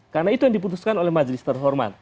karena itu yang diputuskan oleh majelis terhormat